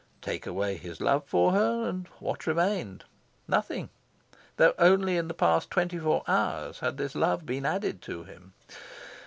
Take away his love for her, and what remained? Nothing though only in the past twenty four hours had this love been added to him.